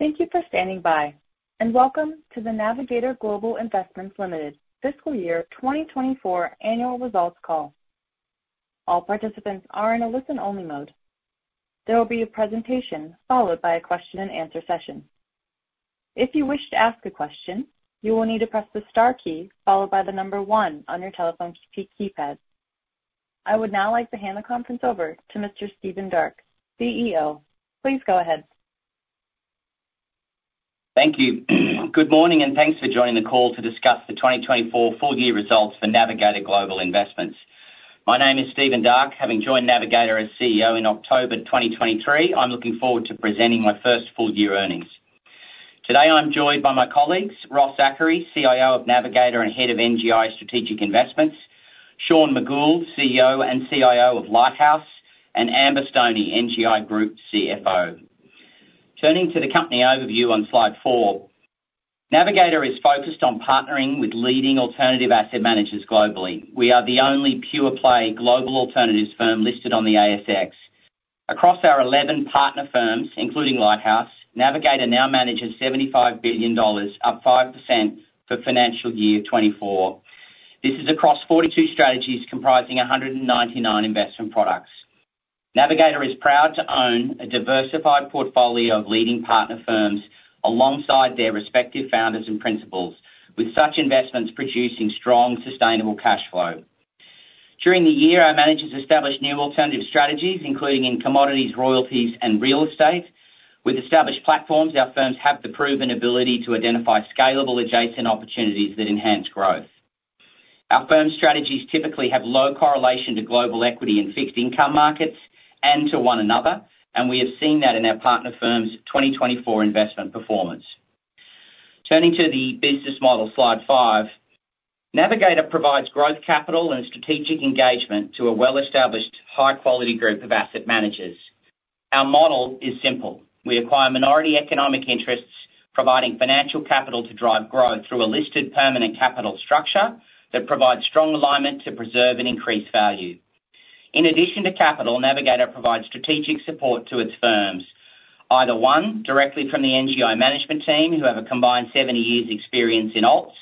Thank you for standing by, and welcome to the Navigator Global Investments Limited Fiscal Year 2024 Annual Results Call. All participants are in a listen-only mode. There will be a presentation, followed by a question-and-answer session. If you wish to ask a question, you will need to press the star key followed by the number one on your telephone keypad. I would now like to hand the conference over to Mr. Stephen Darke, CEO. Please go ahead. Thank you. Good morning, and thanks for joining the call to discuss the 2024 Full Year Results for Navigator Global Investments. My name is Stephen Darke. Having joined Navigator as CEO in October 2023, I'm looking forward to presenting my first full year earnings. Today, I'm joined by my colleagues, Ross Zachary, CIO of Navigator and Head of NGI Strategic Investments, Sean McGould, CEO and CIO of Lighthouse, and Amber Stoney, NGI Group CFO. Turning to the company overview on slide four, Navigator is focused on partnering with leading alternative asset managers globally. We are the only pure-play global alternatives firm listed on the ASX. Across our 11 partner firms, including Lighthouse, Navigator now manages $75 billion, up 5% for financial year 2024. This is across 42 strategies, comprising 199 investment products. Navigator is proud to own a diversified portfolio of leading partner firms, alongside their respective founders and principals, with such investments producing strong, sustainable cash flow. During the year, our managers established new alternative strategies, including in commodities, royalties, and real estate. With established platforms, our firms have the proven ability to identify scalable, adjacent opportunities that enhance growth. Our firm's strategies typically have low correlation to global equity and fixed income markets, and to one another, and we have seen that in our partner firms' 2024 investment performance. Turning to the business model, slide five. Navigator provides growth capital and strategic engagement to a well-established, high-quality group of asset managers. Our model is simple: We acquire minority economic interests, providing financial capital to drive growth through a listed permanent capital structure, that provides strong alignment to preserve and increase value. In addition to capital, Navigator provides strategic support to its firms, either, one, directly from the NGI management team, who have a combined 70 years experience in alts,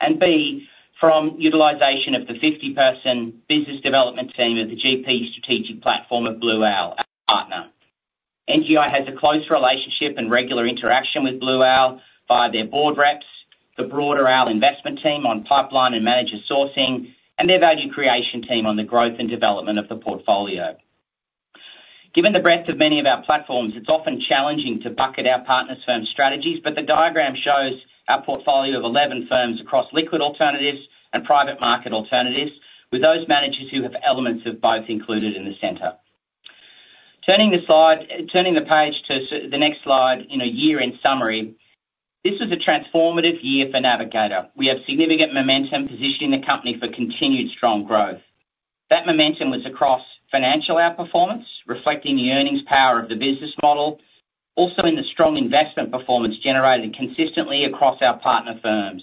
and, B, from utilization of the 50-person business development team of the GP strategic platform of Blue Owl, our partner. NGI has a close relationship and regular interaction with Blue Owl by their board reps, the broader Owl investment team on pipeline and manager sourcing, and their value creation team on the growth and development of the portfolio. Given the breadth of many of our platforms, it's often challenging to bucket our partner firms' strategies, but the diagram shows our portfolio of 11 firms across liquid alternatives and private market alternatives, with those managers who have elements of both included in the center. Turning the page to the next slide, in a year-end summary, this was a transformative year for Navigator. We have significant momentum positioning the company for continued strong growth. That momentum was across financial outperformance, reflecting the earnings power of the business model, also in the strong investment performance generated consistently across our partner firms.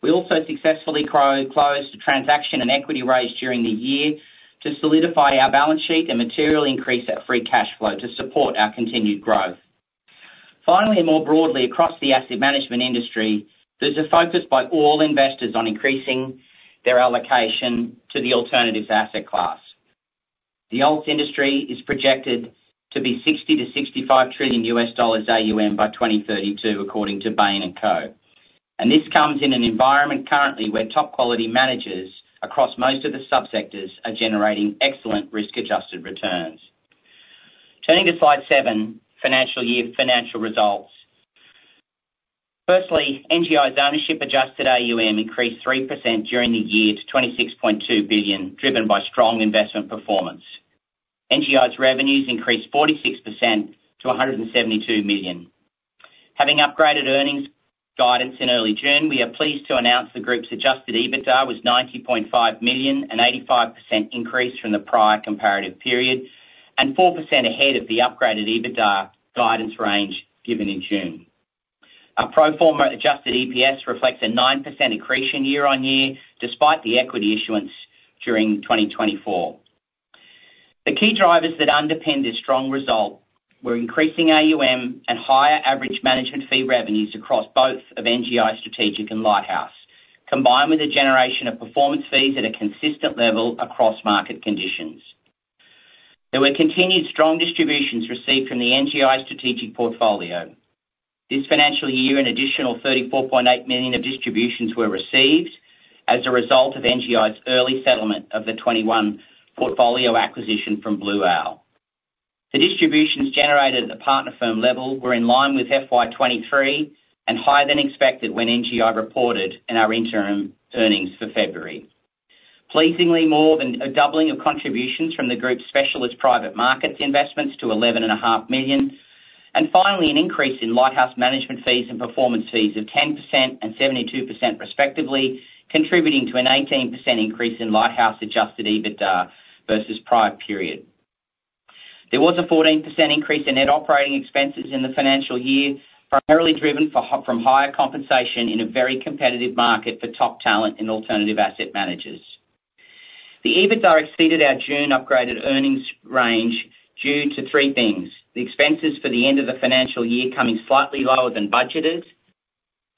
We also successfully closed a transaction and equity raise during the year to solidify our balance sheet and materially increase our free cash flow to support our continued growth. Finally, more broadly, across the asset management industry, there's a focus by all investors on increasing their allocation to the alternatives asset class. The alts industry is projected to be $60-$65 trillion AUM by 2032, according to Bain & Co. And this comes in an environment currently where top-quality managers across most of the subsectors are generating excellent risk-adjusted returns. Turning to slide seven, financial year financial results. Firstly, NGI's ownership-adjusted AUM increased 3% during the year to 26.2 billion, driven by strong investment performance. NGI's revenues increased 46% to 172 million. Having upgraded earnings guidance in early June, we are pleased to announce the group's adjusted EBITDA was 90.5 million, an 85% increase from the prior comparative period, and 4% ahead of the upgraded EBITDA guidance range given in June. Our pro forma adjusted EPS reflects a 9% accretion year-on-year, despite the equity issuance during 2024. The key drivers that underpinned this strong result were increasing AUM and higher average management fee revenues across both of NGI Strategic and Lighthouse, combined with a generation of performance fees at a consistent level across market conditions. There were continued strong distributions received from the NGI Strategic portfolio. This financial year, an additional 34.8 million of distributions were received as a result of NGI's early settlement of the 2021 portfolio acquisition from Blue Owl. The distributions generated at the partner firm level were in line with FY 2023, and higher than expected when NGI reported in our interim earnings for February. Pleasingly, more than a doubling of contributions from the group's specialist private markets investments to 11.5 million. And finally, an increase in Lighthouse management fees and performance fees of 10% and 72% respectively, contributing to an 18% increase in Lighthouse adjusted EBITDA versus prior period. There was a 14% increase in net operating expenses in the financial year, primarily driven from higher compensation in a very competitive market for top talent in alternative asset managers. The EBITDA exceeded our June upgraded earnings range due to three things: the expenses for the end of the financial year coming slightly lower than budgeted,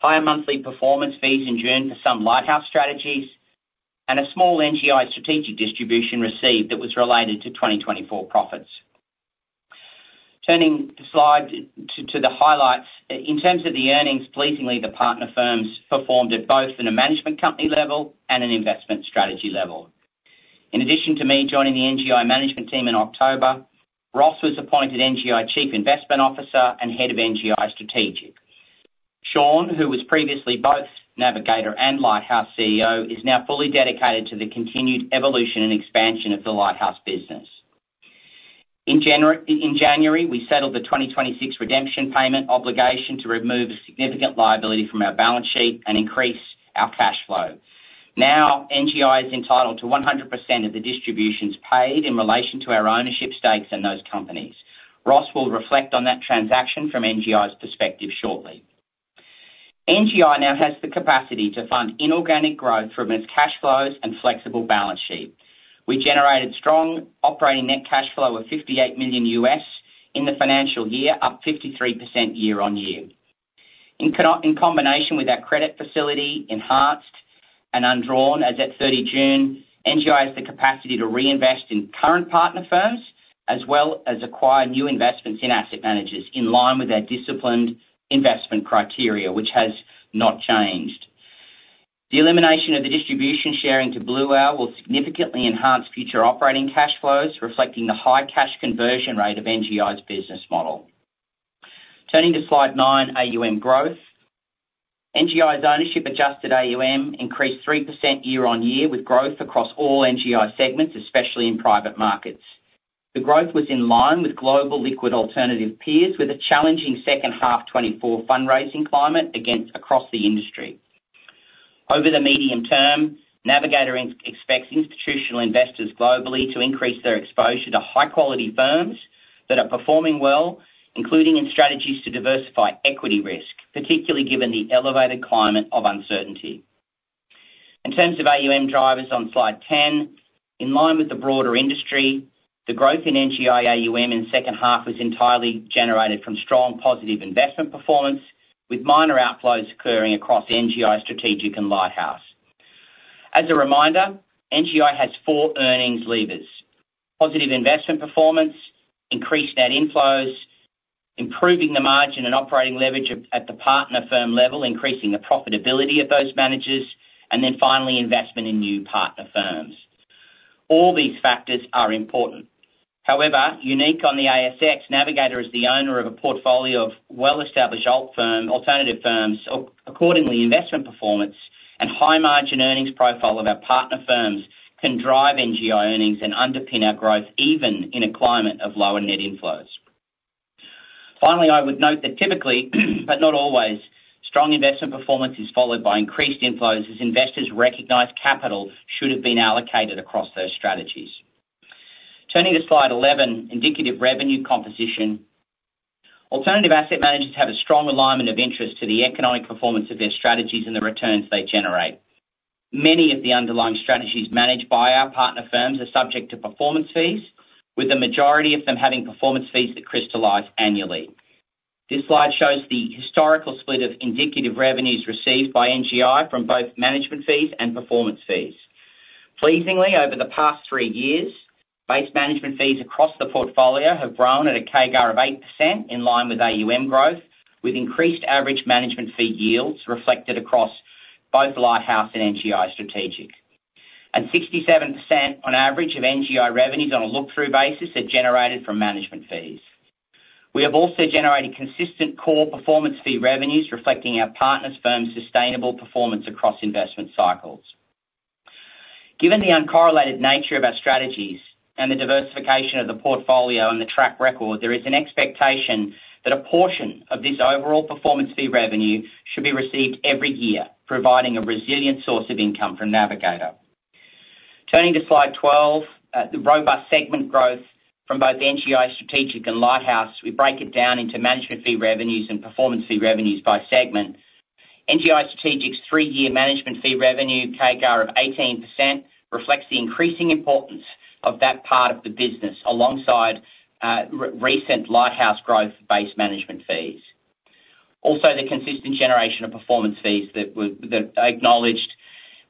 higher monthly performance fees in June for some Lighthouse strategies, and a small NGI strategic distribution received that was related to 2024 profits. Turning the slide to the highlights. In terms of the earnings, pleasingly, the partner firms performed at both in a management company level and an investment strategy level. In addition to me joining the NGI management team in October, Ross was appointed NGI Chief Investment Officer and Head of NGI Strategic. Sean, who was previously both Navigator and Lighthouse CEO, is now fully dedicated to the continued evolution and expansion of the Lighthouse business. In January, we settled the 2026 redemption payment obligation to remove a significant liability from our balance sheet and increase our cash flow. Now, NGI is entitled to 100% of the distributions paid in relation to our ownership stakes in those companies. Ross will reflect on that transaction from NGI's perspective shortly. NGI now has the capacity to fund inorganic growth from its cash flows and flexible balance sheet. We generated strong operating net cash flow of $58 million in the financial year, up 53% year-on-year. In combination with our credit facility, enhanced and undrawn, as at 30 June, NGI has the capacity to reinvest in current partner firms, as well as acquire new investments in asset managers, in line with our disciplined investment criteria, which has not changed. The elimination of the distribution sharing to Blue Owl will significantly enhance future operating cash flows, reflecting the high cash conversion rate of NGI's business model. Turning to slide nine, AUM growth. NGI's ownership adjusted AUM increased 3% year-on-year, with growth across all NGI segments, especially in private markets. The growth was in line with global liquid alternative peers, with a challenging second half 2024 fundraising climate across the industry. Over the medium term, Navigator intends institutional investors globally to increase their exposure to high-quality firms that are performing well, including in strategies to diversify equity risk, particularly given the elevated climate of uncertainty. In terms of AUM drivers on slide 10, in line with the broader industry, the growth in NGI AUM in second half was entirely generated from strong positive investment performance, with minor outflows occurring across NGI Strategic and Lighthouse. As a reminder, NGI has four earnings levers: positive investment performance, increased net inflows, improving the margin and operating leverage at the partner firm level, increasing the profitability of those managers, and then finally, investment in new partner firms. All these factors are important. However, unique on the ASX, Navigator is the owner of a portfolio of well-established alt firm, alternative firms. Accordingly, investment performance and high margin earnings profile of our partner firms can drive NGI earnings and underpin our growth, even in a climate of lower net inflows. Finally, I would note that typically, but not always, strong investment performance is followed by increased inflows, as investors recognize capital should have been allocated across those strategies. Turning to slide 11, indicative revenue composition. Alternative asset managers have a strong alignment of interest to the economic performance of their strategies and the returns they generate. Many of the underlying strategies managed by our partner firms are subject to performance fees, with the majority of them having performance fees that crystallize annually. This slide shows the historical split of indicative revenues received by NGI from both management fees and performance fees. Pleasingly, over the past three years, base management fees across the portfolio have grown at a CAGR of 8%, in line with AUM growth, with increased average management fee yields reflected across both Lighthouse and NGI Strategic, and 67% on average of NGI revenues on a look-through basis are generated from management fees. We have also generated consistent core performance fee revenues, reflecting our partners' firms' sustainable performance across investment cycles. Given the uncorrelated nature of our strategies and the diversification of the portfolio and the track record, there is an expectation that a portion of this overall performance fee revenue should be received every year, providing a resilient source of income from Navigator. Turning to slide 12, the robust segment growth from both NGI Strategic and Lighthouse, we break it down into management fee revenues and performance fee revenues by segment. NGI Strategic's three-year management fee revenue CAGR of 18%, reflects the increasing importance of that part of the business, alongside recent Lighthouse growth-based management fees. Also, the consistent generation of performance fees that I acknowledged,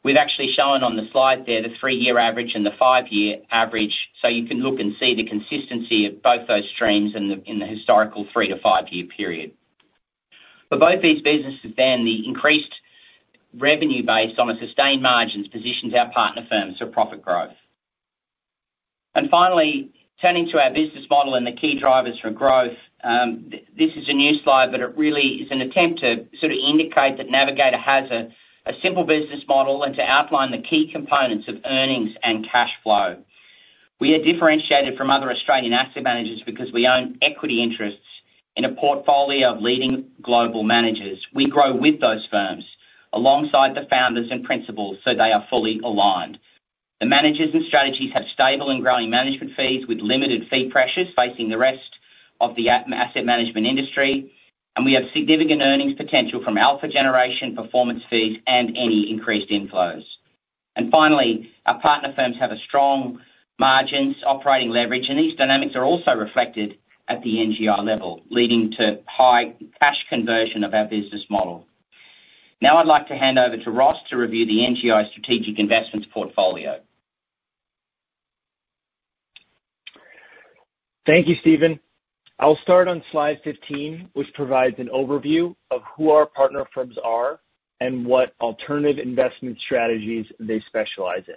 we've actually shown on the slide there, the three-year average and the five-year average, so you can look and see the consistency of both those streams in the historical three to five-year period. For both these businesses then, the increased revenue based on a sustained margins, positions our partner firms for profit growth. Finally, turning to our business model and the key drivers for growth, this is a new slide, but it really is an attempt to sort of indicate that Navigator has a simple business model, and to outline the key components of earnings and cash flow. We are differentiated from other Australian asset managers because we own equity interests in a portfolio of leading global managers. We grow with those firms, alongside the founders and principals, so they are fully aligned. The managers and strategies have stable and growing management fees, with limited fee pressures facing the rest of the asset management industry, and we have significant earnings potential from alpha generation, performance fees, and any increased inflows. And finally, our partner firms have strong margins, operating leverage, and these dynamics are also reflected at the NGI level, leading to high cash conversion of our business model. Now I'd like to hand over to Ross to review the NGI Strategic Investments portfolio. Thank you, Stephen. I'll start on slide 15, which provides an overview of who our partner firms are and what alternative investment strategies they specialize in.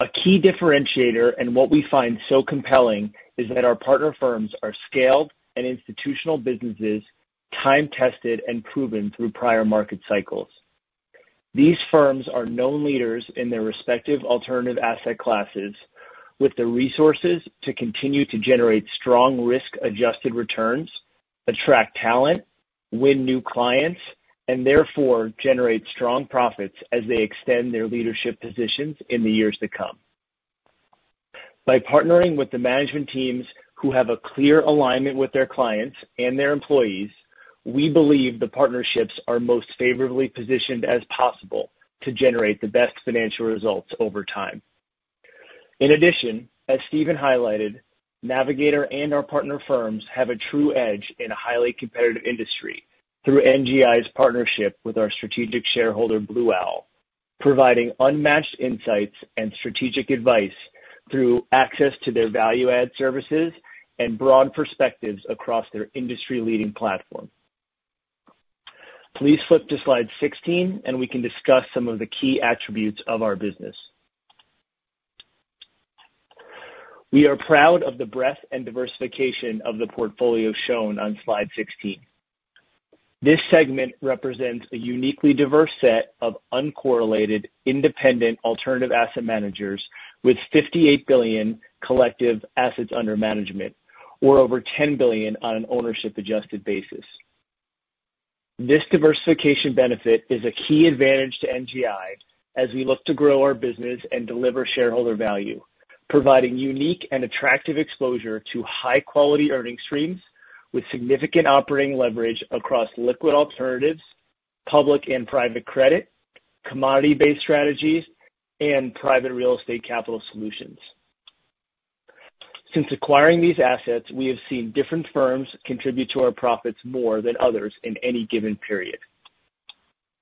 A key differentiator, and what we find so compelling, is that our partner firms are scaled and institutional businesses, time-tested and proven through prior market cycles. These firms are known leaders in their respective alternative asset classes, with the resources to continue to generate strong risk-adjusted returns, attract talent, win new clients, and therefore generate strong profits as they extend their leadership positions in the years to come. By partnering with the management teams who have a clear alignment with their clients and their employees, we believe the partnerships are most favorably positioned as possible to generate the best financial results over time. In addition, as Stephen highlighted, Navigator and our partner firms have a true edge in a highly competitive industry through NGI's partnership with our strategic shareholder, Blue Owl, providing unmatched insights and strategic advice through access to their value-add services and broad perspectives across their industry-leading platform. Please flip to slide 16, and we can discuss some of the key attributes of our business. We are proud of the breadth and diversification of the portfolio shown on slide 16. This segment represents a uniquely diverse set of uncorrelated, independent, alternative asset managers with 58 billion collective assets under management, or over 10 billion on an ownership-adjusted basis. This diversification benefit is a key advantage to NGI as we look to grow our business and deliver shareholder value, providing unique and attractive exposure to high-quality earning streams with significant operating leverage across liquid alternatives, public and private credit, commodity-based strategies, and private real estate capital solutions. Since acquiring these assets, we have seen different firms contribute to our profits more than others in any given period.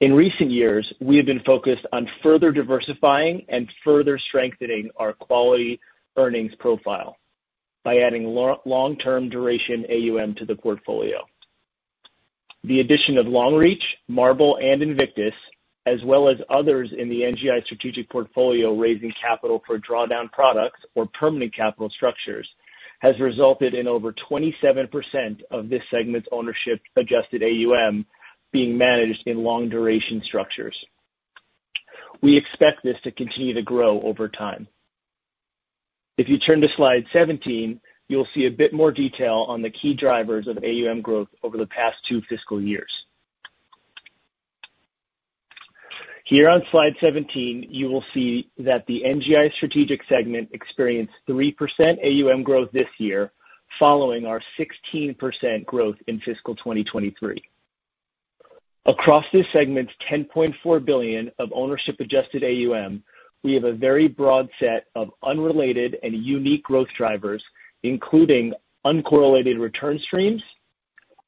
In recent years, we have been focused on further diversifying and further strengthening our quality earnings profile by adding long-term duration AUM to the portfolio. The addition of Longreach, Marble, and Invictus, as well as others in the NGI strategic portfolio, raising capital for drawdown products or permanent capital structures, has resulted in over 27% of this segment's ownership-adjusted AUM being managed in long-duration structures. We expect this to continue to grow over time. If you turn to slide 17, you'll see a bit more detail on the key drivers of AUM growth over the past two fiscal years. Here on slide 17, you will see that the NGI Strategic segment experienced 3% AUM growth this year, following our 16% growth in fiscal 2023. Across this segment's 10.4 billion of ownership-adjusted AUM, we have a very broad set of unrelated and unique growth drivers, including uncorrelated return streams,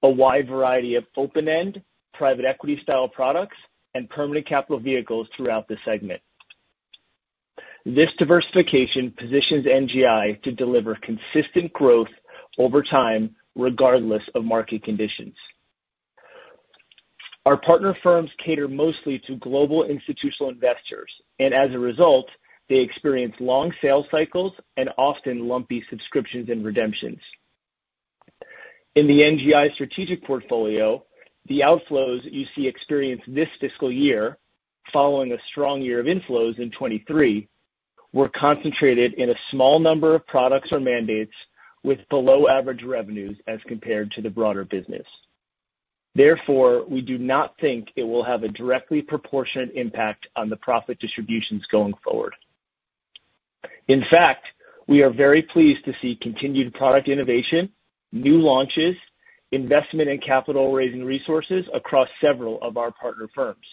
a wide variety of open-end private equity style products, and permanent capital vehicles throughout the segment. This diversification positions NGI to deliver consistent growth over time, regardless of market conditions. Our partner firms cater mostly to global institutional investors, and as a result, they experience long sales cycles and often lumpy subscriptions and redemptions. In the NGI strategic portfolio, the outflows you see experienced this fiscal year, following a strong year of inflows in 2023, were concentrated in a small number of products or mandates with below average revenues as compared to the broader business. Therefore, we do not think it will have a directly proportionate impact on the profit distributions going forward. In fact, we are very pleased to see continued product innovation, new launches, investment in capital raising resources across several of our partner firms.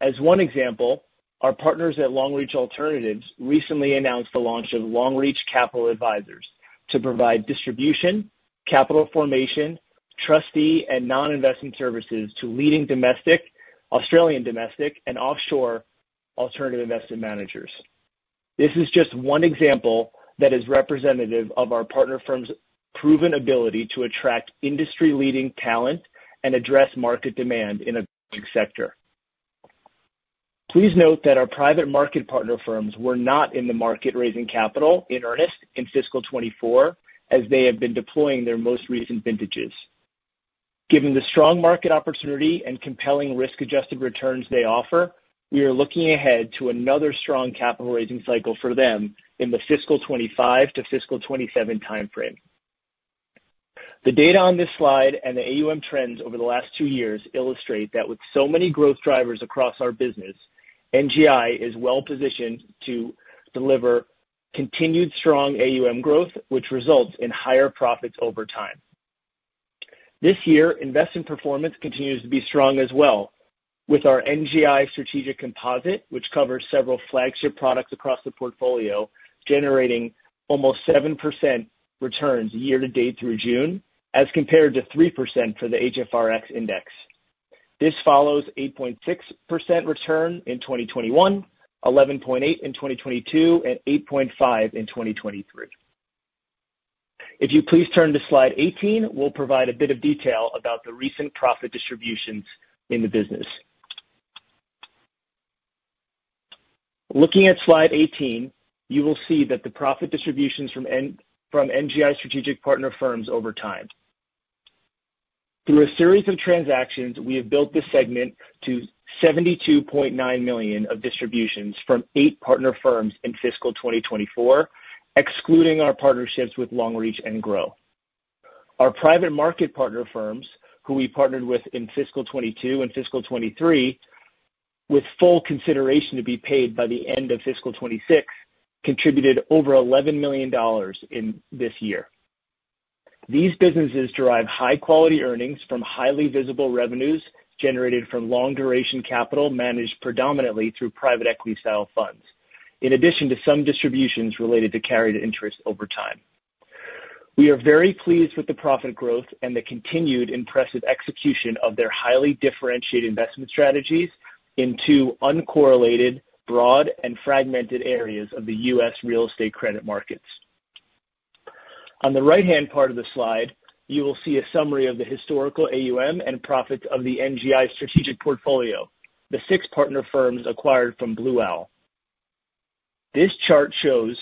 As one example, our partners at Longreach Alternatives recently announced the launch of Longreach Capital Advisors to provide distribution, capital formation, trustee, and non-investment services to leading domestic, Australian domestic, and offshore alternative investment managers. This is just one example that is representative of our partner firm's proven ability to attract industry-leading talent and address market demand in a growing sector. Please note that our private market partner firms were not in the market raising capital in earnest in fiscal 2024, as they have been deploying their most recent vintages. Given the strong market opportunity and compelling risk-adjusted returns they offer, we are looking ahead to another strong capital raising cycle for them in the fiscal 2025 to fiscal 2027 timeframe. The data on this slide and the AUM trends over the last two years illustrate that with so many growth drivers across our business, NGI is well positioned to deliver continued strong AUM growth, which results in higher profits over time. This year, investment performance continues to be strong as well, with our NGI strategic composite, which covers several flagship products across the portfolio, generating almost 7% returns year to date through June, as compared to 3% for the HFRX Index. This follows 8.6% return in 2021, 11.8% in 2022, and 8.5% in 2023. If you please turn to slide 18, we'll provide a bit of detail about the recent profit distributions in the business. Looking at slide 18, you will see that the profit distributions from NGI strategic partner firms over time. Through a series of transactions, we have built this segment to 72.9 million of distributions from eight partner firms in fiscal 2024, excluding our partnerships with Longreach and Grow. Our private market partner firms, who we partnered with in fiscal 2022 and fiscal 2023, with full consideration to be paid by the end of fiscal 2026, contributed over 11 million dollars in this year. These businesses derive high-quality earnings from highly visible revenues generated from long-duration capital, managed predominantly through private equity style funds, in addition to some distributions related to carried interest over time. We are very pleased with the profit growth and the continued impressive execution of their highly differentiated investment strategies in two uncorrelated, broad, and fragmented areas of the U.S. real estate credit markets. On the right-hand part of the slide, you will see a summary of the historical AUM and profits of the NGI strategic portfolio, the six partner firms acquired from Blue Owl. This chart shows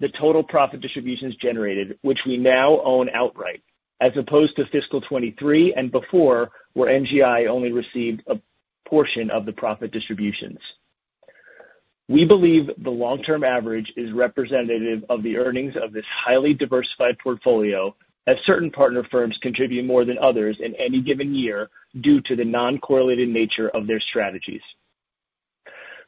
the total profit distributions generated, which we now own outright, as opposed to fiscal 2023 and before, where NGI only received a portion of the profit distributions. We believe the long-term average is representative of the earnings of this highly diversified portfolio, as certain partner firms contribute more than others in any given year due to the non-correlated nature of their strategies.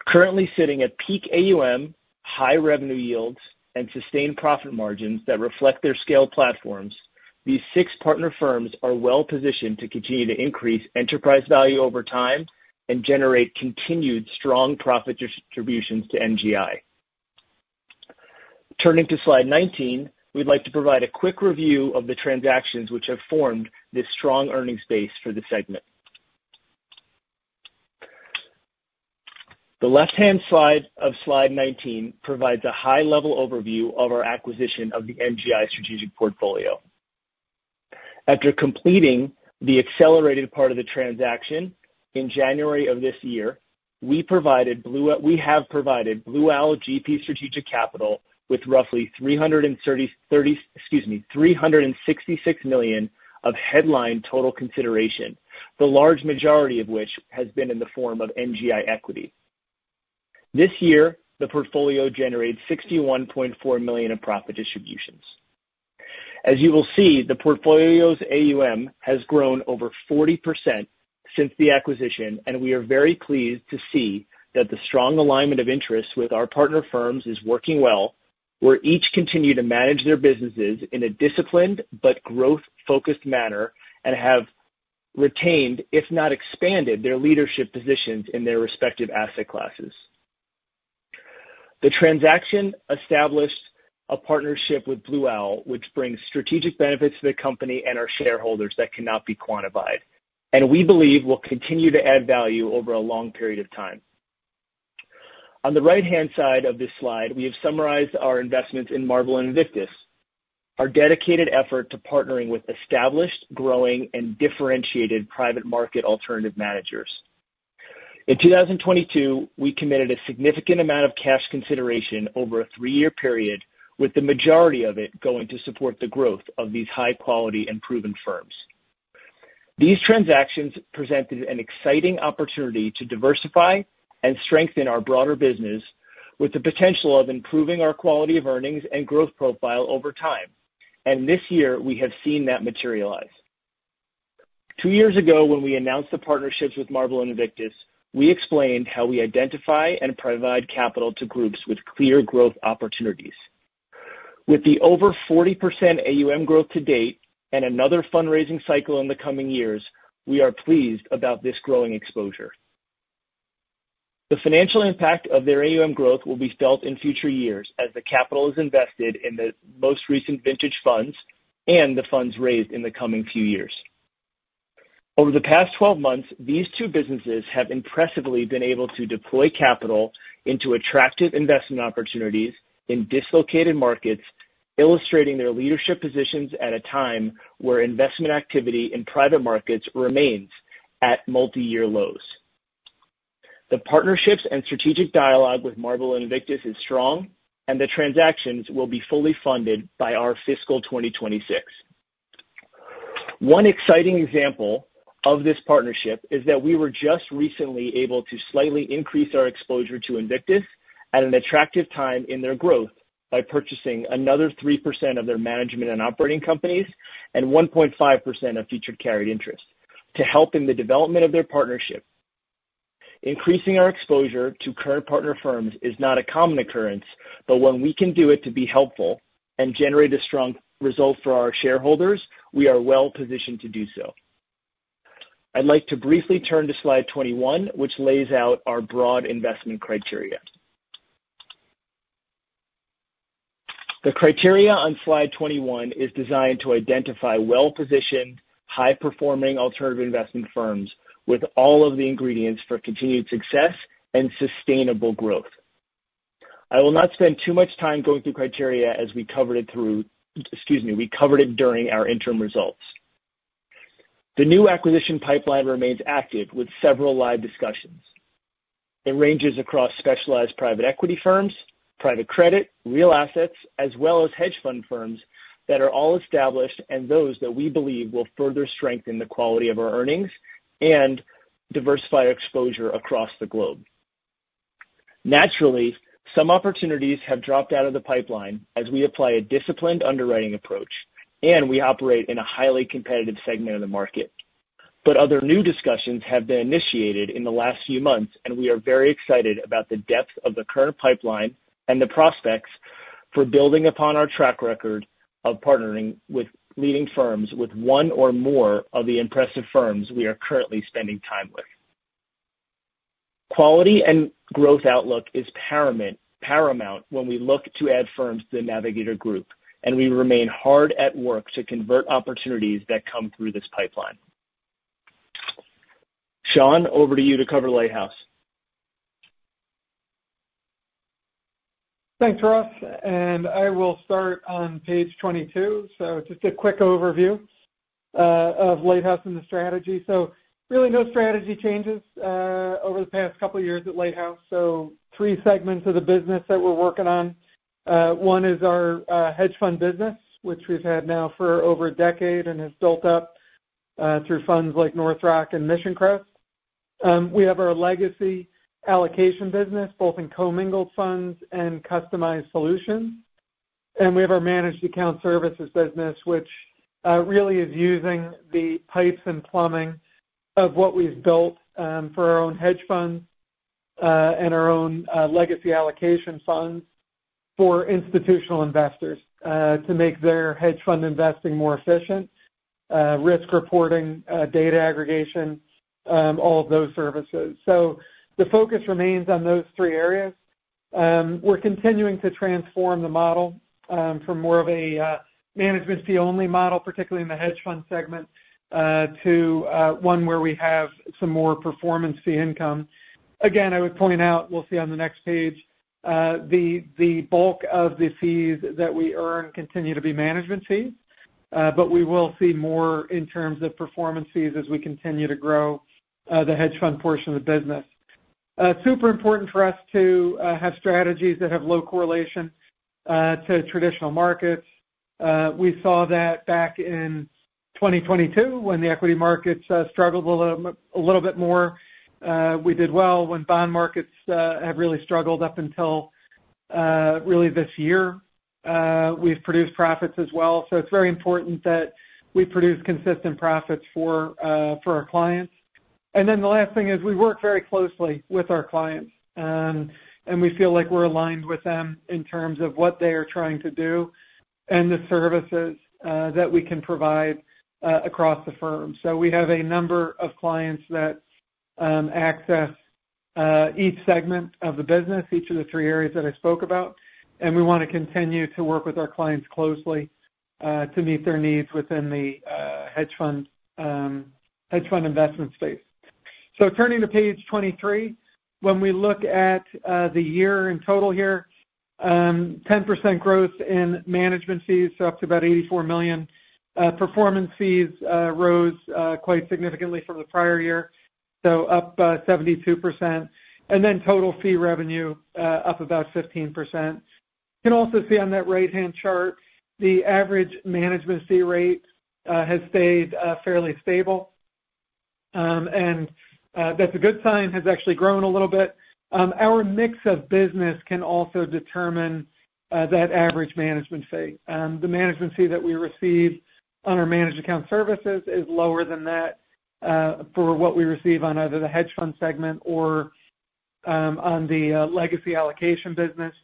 Currently sitting at peak AUM, high revenue yields, and sustained profit margins that reflect their scale platforms, these six partner firms are well positioned to continue to increase enterprise value over time and generate continued strong profit distributions to NGI. Turning to slide 19, we'd like to provide a quick review of the transactions which have formed this strong earnings base for the segment. The left-hand side of slide 19 provides a high-level overview of our acquisition of the NGI Strategic portfolio. After completing the accelerated part of the transaction in January of this year, we have provided Blue Owl GP Strategic Capital with roughly 366 million of headline total consideration, the large majority of which has been in the form of NGI equity. This year, the portfolio generated 61.4 million in profit distributions. As you will see, the portfolio's AUM has grown over 40% since the acquisition, and we are very pleased to see that the strong alignment of interests with our partner firms is working well, where each continue to manage their businesses in a disciplined but growth-focused manner, and have retained, if not expanded, their leadership positions in their respective asset classes. The transaction established a partnership with Blue Owl, which brings strategic benefits to the company and our shareholders that cannot be quantified, and we believe will continue to add value over a long period of time. On the right-hand side of this slide, we have summarized our investments in Marble and Invictus, our dedicated effort to partnering with established, growing and differentiated private market alternative managers. In 2022, we committed a significant amount of cash consideration over a three-year period, with the majority of it going to support the growth of these high-quality and proven firms. These transactions presented an exciting opportunity to diversify and strengthen our broader business, with the potential of improving our quality of earnings and growth profile over time, and this year, we have seen that materialize. Two years ago, when we announced the partnerships with Marble and Invictus, we explained how we identify and provide capital to groups with clear growth opportunities. With the over 40% AUM growth to date and another fundraising cycle in the coming years, we are pleased about this growing exposure. The financial impact of their AUM growth will be felt in future years as the capital is invested in the most recent vintage funds and the funds raised in the coming few years. Over the past 12 months, these two businesses have impressively been able to deploy capital into attractive investment opportunities in dislocated markets, illustrating their leadership positions at a time where investment activity in private markets remains at multiyear lows. The partnerships and strategic dialogue with Marble and Invictus is strong, and the transactions will be fully funded by our fiscal 2026. One exciting example-... Of this partnership is that we were just recently able to slightly increase our exposure to Invictus at an attractive time in their growth by purchasing another 3% of their management and operating companies and 1.5% of future carried interest to help in the development of their partnership. Increasing our exposure to current partner firms is not a common occurrence, but when we can do it to be helpful and generate a strong result for our shareholders, we are well positioned to do so. I'd like to briefly turn to slide 21, which lays out our broad investment criteria. The criteria on slide 21 is designed to identify well-positioned, high-performing alternative investment firms with all of the ingredients for continued success and sustainable growth. I will not spend too much time going through criteria as we covered it during our interim results. The new acquisition pipeline remains active with several live discussions. It ranges across specialized private equity firms, private credit, real assets, as well as hedge fund firms that are all established and those that we believe will further strengthen the quality of our earnings and diversify our exposure across the globe. Naturally, some opportunities have dropped out of the pipeline as we apply a disciplined underwriting approach, and we operate in a highly competitive segment of the market. But other new discussions have been initiated in the last few months, and we are very excited about the depth of the current pipeline and the prospects for building upon our track record of partnering with leading firms with one or more of the impressive firms we are currently spending time with. Quality and growth outlook is paramount, paramount when we look to add firms to the Navigator group, and we remain hard at work to convert opportunities that come through this pipeline. Sean, over to you to cover Lighthouse. Thanks, Ross, and I will start on page 22. So just a quick overview of Lighthouse and the strategy. So really, no strategy changes over the past couple of years at Lighthouse. So three segments of the business that we're working on. One is our hedge fund business, which we've had now for over a decade and has built up through funds like North Rock and Mission Crest. We have our legacy allocation business, both in commingled funds and customized solutions. And we have our managed account services business, which really is using the pipes and plumbing of what we've built for our own hedge funds and our own legacy allocation funds for institutional investors to make their hedge fund investing more efficient, risk reporting, data aggregation, all of those services. So the focus remains on those three areas. We're continuing to transform the model from more of a management fee-only model, particularly in the hedge fund segment, to one where we have some more performance fee income. Again, I would point out, we'll see on the next page the bulk of the fees that we earn continue to be management fees, but we will see more in terms of performance fees as we continue to grow the hedge fund portion of the business. Super important for us to have strategies that have low correlation to traditional markets. We saw that back in 2022, when the equity markets struggled a little, a little bit more. We did well when bond markets have really struggled up until really this year. We've produced profits as well, so it's very important that we produce consistent profits for our clients. And then the last thing is we work very closely with our clients, and we feel like we're aligned with them in terms of what they are trying to do and the services that we can provide across the firm. So we have a number of clients that access each segment of the business, each of the three areas that I spoke about, and we want to continue to work with our clients closely to meet their needs within the hedge fund investment space. So turning to page 23, when we look at the year in total here, 10% growth in management fees, so up to about 84 million. Performance fees rose quite significantly from the prior year, so up 72%. And then total fee revenue up about 15%. You can also see on that right-hand chart, the average management fee rate has stayed fairly stable. And that's a good sign, has actually grown a little bit. Our mix of business can also determine that average management fee. The management fee that we receive on our managed account services is lower than that for what we receive on either the hedge fund segment or on the legacy allocation business.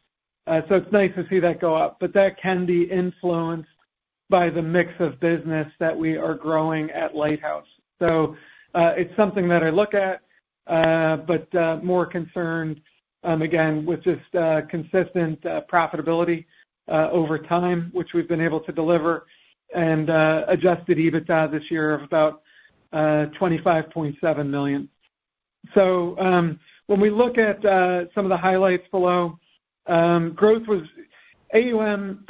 So it's nice to see that go up, but that can be influenced by the mix of business that we are growing at Lighthouse. It's something that I look at, but more concerned, again, with just consistent profitability over time, which we've been able to deliver, and Adjusted EBITDA this year of about 25.7 million. When we look at some of the highlights below, growth was AUM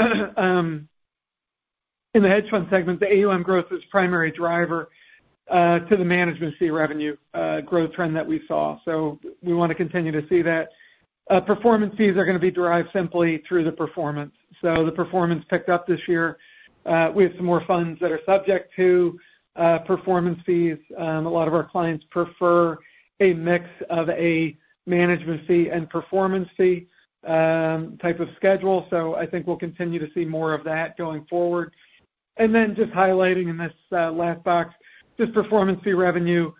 in the hedge fund segment, the AUM growth is primary driver to the management fee revenue growth trend that we saw. We want to continue to see that. Performance fees are going to be derived simply through the performance. The performance picked up this year. We have some more funds that are subject to performance fees. A lot of our clients prefer a mix of a management fee and performance fee type of schedule. So I think we'll continue to see more of that going forward, and then just highlighting in this last box, this performance fee revenue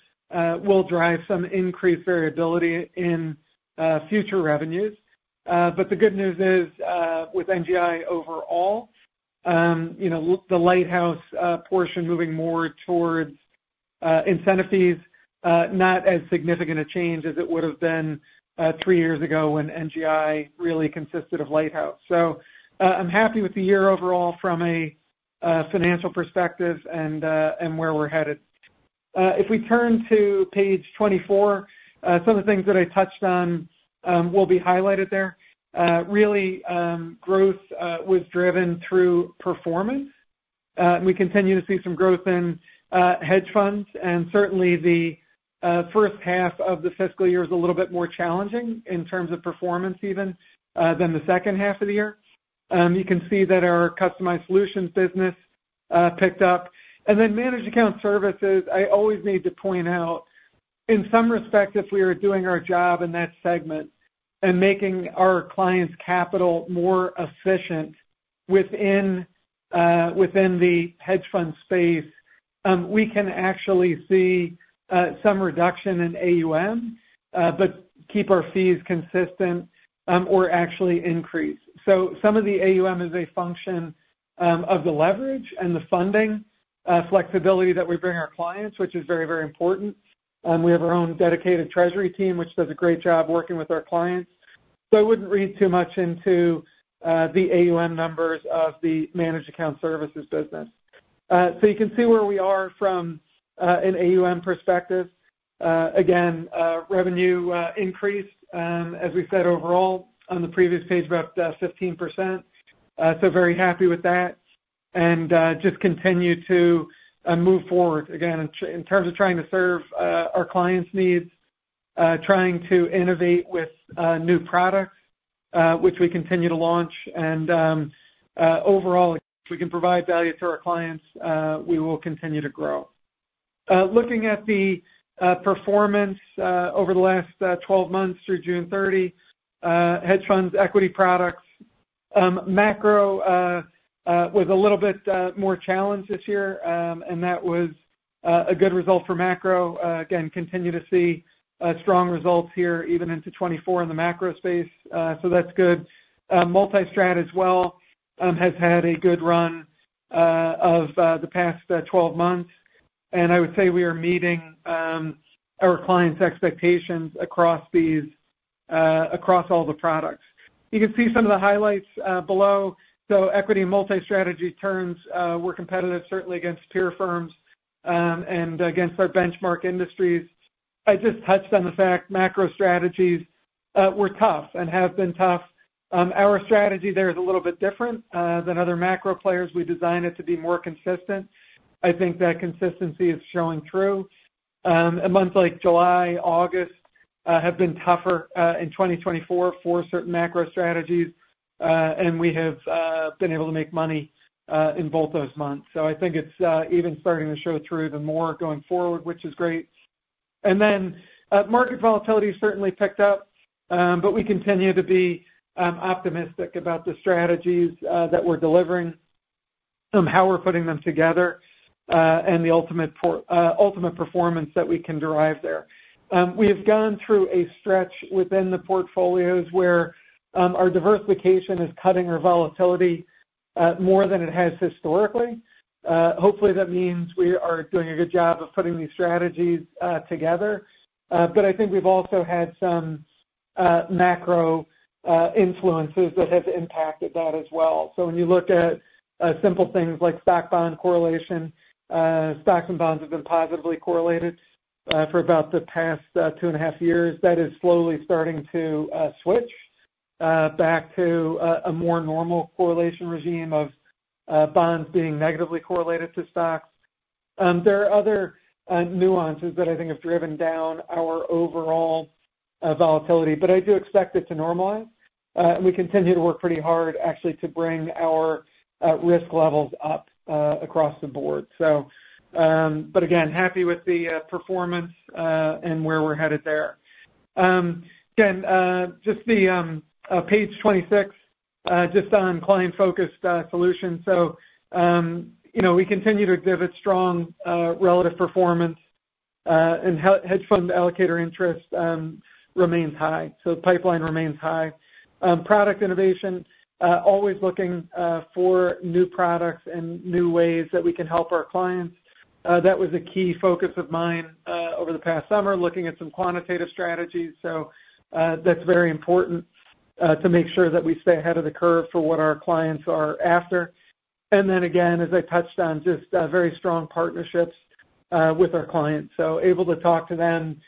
will drive some increased variability in future revenues. But the good news is, with NGI overall, you know, the Lighthouse portion moving more towards incentive fees, not as significant a change as it would have been three years ago when NGI really consisted of Lighthouse, so I'm happy with the year overall from a financial perspective and where we're headed. If we turn to page 24, some of the things that I touched on will be highlighted there. Really, growth was driven through performance. And we continue to see some growth in hedge funds, and certainly the first half of the fiscal year is a little bit more challenging in terms of performance even than the second half of the year. You can see that our customized solutions business picked up, and then managed account services, I always need to point out, in some respects, if we are doing our job in that segment and making our clients' capital more efficient within the hedge fund space, we can actually see some reduction in AUM but keep our fees consistent or actually increase. So some of the AUM is a function of the leverage and the funding flexibility that we bring our clients, which is very, very important. We have our own dedicated treasury team, which does a great job working with our clients. So I wouldn't read too much into the AUM numbers of the managed account services business. So you can see where we are from an AUM perspective. Again, revenue increased, as we said overall, on the previous page, reported 15%. So very happy with that. And just continue to move forward again, in terms of trying to serve our clients' needs, trying to innovate with new products, which we continue to launch. And overall, if we can provide value to our clients, we will continue to grow. Looking at the performance over the last 12 months through June 30, hedge funds, equity products, macro was a little bit more challenged this year. And that was a good result for macro. Again, continue to see strong results here, even into 2024 in the macro space. So that's good. Multi-strat as well has had a good run of the past 12 months. And I would say we are meeting our clients' expectations across all the products. You can see some of the highlights below. So equity multi-strategy terms, we're competitive, certainly against peer firms and against our benchmark industries. I just touched on the fact macro strategies were tough and have been tough. Our strategy there is a little bit different than other macro players. We designed it to be more consistent. I think that consistency is showing through. And months like July, August have been tougher in 2024 for certain macro strategies. And we have been able to make money in both those months. So I think it's even starting to show through even more going forward, which is great. And then, market volatility certainly picked up, but we continue to be optimistic about the strategies that we're delivering, how we're putting them together, and the ultimate performance that we can derive there. We have gone through a stretch within the portfolios where our diversification is cutting our volatility more than it has historically. Hopefully, that means we are doing a good job of putting these strategies together. But I think we've also had some macro influences that have impacted that as well. So when you look at simple things like stock-bond correlation, stocks and bonds have been positively correlated for about the past two and a half years. That is slowly starting to switch back to a more normal correlation regime of bonds being negatively correlated to stocks. There are other nuances that I think have driven down our overall volatility, but I do expect it to normalize. We continue to work pretty hard, actually, to bring our risk levels up across the board. So, but again, happy with the performance and where we're headed there. Again, just the page 26, just on client-focused solutions. So, you know, we continue to exhibit strong relative performance, and hedge fund allocator interest remains high. So pipeline remains high. Product innovation, always looking for new products and new ways that we can help our clients. That was a key focus of mine over the past summer, looking at some quantitative strategies. So, that's very important to make sure that we stay ahead of the curve for what our clients are after. And then again, as I touched on, just very strong partnerships with our clients. So able to talk to them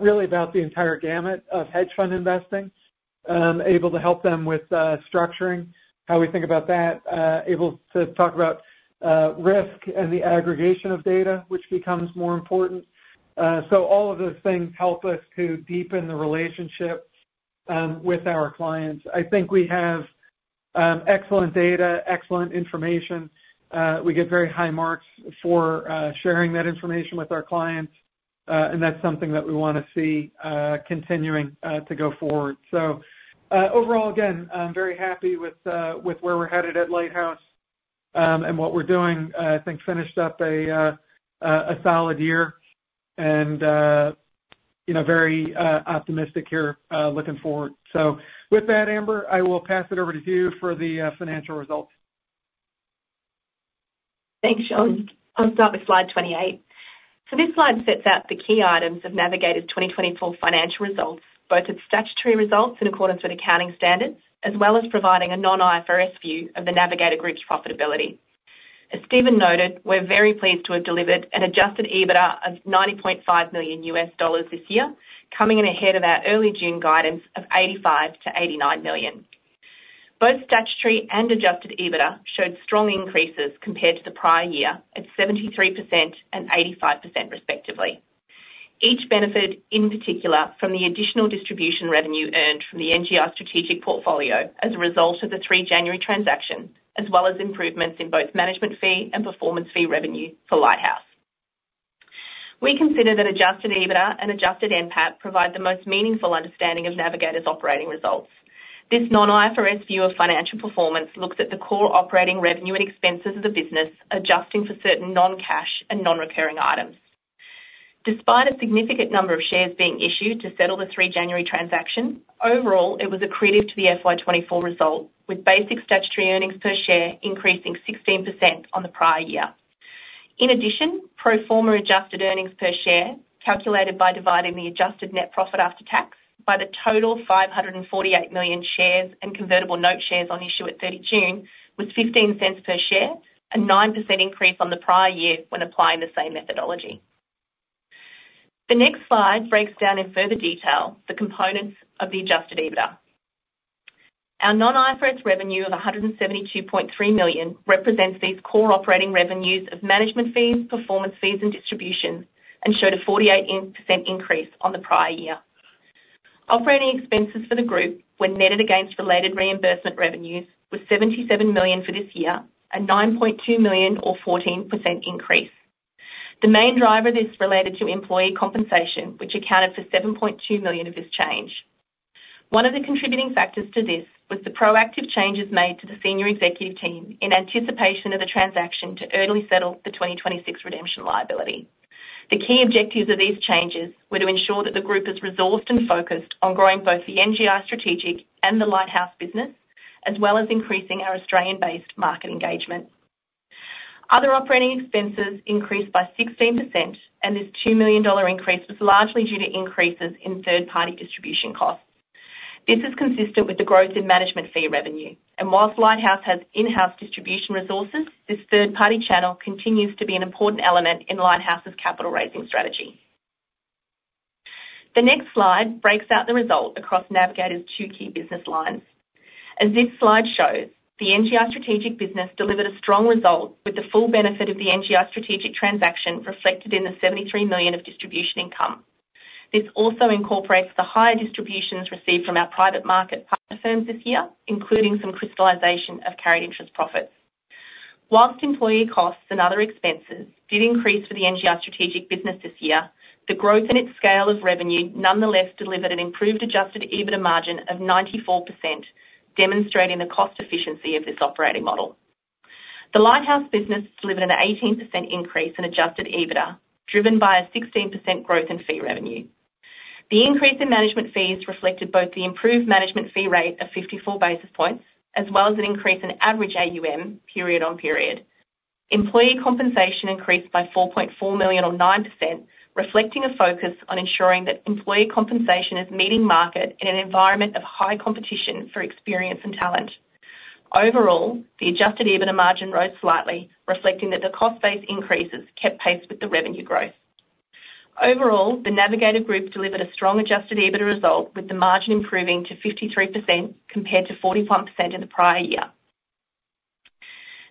really about the entire gamut of hedge fund investing. Able to help them with structuring, how we think about that. Able to talk about risk and the aggregation of data, which becomes more important. So all of those things help us to deepen the relationships with our clients. I think we have excellent data, excellent information. We get very high marks for sharing that information with our clients, and that's something that we wanna see continuing to go forward. So overall, again, I'm very happy with where we're headed at Lighthouse and what we're doing. I think finished up a solid year and, you know, very optimistic here looking forward. So with that, Amber, I will pass it over to you for the financial results. Thanks, Sean. I'll start with slide 28. This slide sets out the key items of Navigator's 2024 financial results, both its statutory results in accordance with accounting standards, as well as providing a non-IFRS view of the Navigator Group's profitability. As Stephen noted, we're very pleased to have delivered an adjusted EBITDA of $90.5 million this year, coming in ahead of our early June guidance of $85-$89 million. Both statutory and adjusted EBITDA showed strong increases compared to the prior year at 73% and 85% respectively. Each benefited, in particular, from the additional distribution revenue earned from the NGI Strategic portfolio as a result of the January 3 transaction, as well as improvements in both management fee and performance fee revenue for Lighthouse. We consider that adjusted EBITDA and adjusted NPAT provide the most meaningful understanding of Navigator's operating results. This non-IFRS view of financial performance looks at the core operating revenue and expenses of the business, adjusting for certain non-cash and non-recurring items. Despite a significant number of shares being issued to settle the January 3 transaction, overall, it was accretive to the FY 2024 result, with basic statutory earnings per share increasing 16% on the prior year. In addition, pro forma adjusted earnings per share, calculated by dividing the adjusted net profit after tax by the total 548 million shares and convertible note shares on issue at 30 June, was 0.15 per share, a 9% increase on the prior year when applying the same methodology. The next slide breaks down in further detail the components of the adjusted EBITDA. Our non-IFRS revenue of 172.3 million represents these core operating revenues of management fees, performance fees, and distributions, and showed a 48% increase on the prior year. Operating expenses for the group when netted against related reimbursement revenues was 77 million for this year, a 9.2 million or 14% increase. The main driver of this related to employee compensation, which accounted for 7.2 million of this change. One of the contributing factors to this was the proactive changes made to the senior executive team in anticipation of a transaction to early settle the 2026 redemption liability. The key objectives of these changes were to ensure that the group is resourced and focused on growing both the NGI Strategic and the Lighthouse business, as well as increasing our Australian-based market engagement. Other operating expenses increased by 16%, and this 2 million dollar increase was largely due to increases in third-party distribution costs. This is consistent with the growth in management fee revenue, and while Lighthouse has in-house distribution resources, this third-party channel continues to be an important element in Lighthouse's capital raising strategy. The next slide breaks out the result across Navigator's two key business lines. As this slide shows, the NGI Strategic business delivered a strong result, with the full benefit of the NGI Strategic transaction reflected in the 73 million of distribution income. This also incorporates the higher distributions received from our private market partner firms this year, including some crystallization of carried interest profits. While employee costs and other expenses did increase for the NGI Strategic business this year, the growth in its scale of revenue nonetheless delivered an improved adjusted EBITDA margin of 94%, demonstrating the cost efficiency of this operating model. The Lighthouse business delivered an 18% increase in adjusted EBITDA, driven by a 16% growth in fee revenue. The increase in management fees reflected both the improved management fee rate of 54 basis points, as well as an increase in average AUM, period-on-period. Employee compensation increased by 4.4 million, or 9%, reflecting a focus on ensuring that employee compensation is meeting market in an environment of high competition for experience and talent. Overall, the adjusted EBITDA margin rose slightly, reflecting that the cost base increases kept pace with the revenue growth. Overall, the Navigator group delivered a strong adjusted EBITDA result, with the margin improving to 53%, compared to 41% in the prior year.